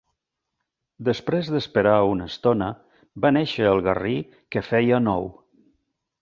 Després d'esperar una estona, va néixer el garrí que feia nou.